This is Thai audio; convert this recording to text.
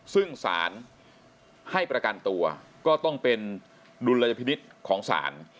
ซึ่งสารให้ประกันตัวก็ต้องเป็นดุลยพินิษฐ์ของศาล